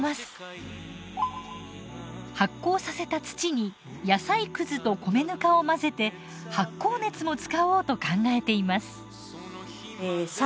発酵させた土に野菜くずと米ぬかを混ぜて発酵熱も使おうと考えています。